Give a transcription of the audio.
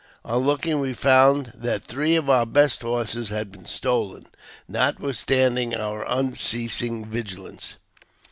On looking we found that three of our best horses had been stolen, notwithstanding our unceasing vigilance.